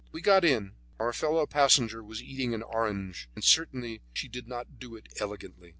We got in; our fellow passenger was eating an orange, and certainly she did not do it elegantly.